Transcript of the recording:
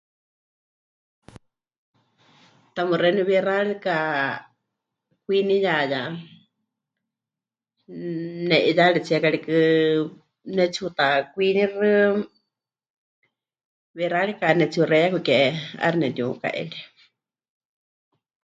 Tamɨ́ xeeníu wixárika kwiniyaya, ne'iyaritsie karikɨ pɨnetsiutakwiinixɨ, wixárika netsi'uxeiyaku ke 'aixɨ́ nepɨtiuka'eri.